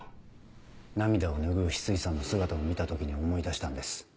涙を拭う翡翠さんの姿を見た時に思い出したんです。